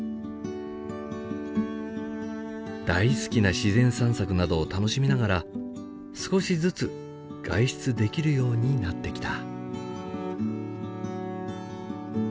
大好きな自然散策などを楽しみながら少しずつ外出できるようになってきた。